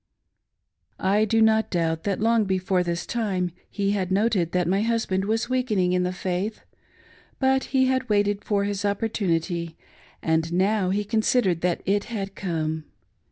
I do not doubt that, long before this time, he had noted that my husband was weakening in the faith ; but he had waited for his opportunity, and now he considered that it had come.